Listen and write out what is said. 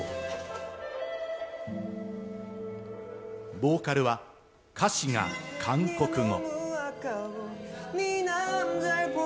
ボーカルは、歌詞が韓国語。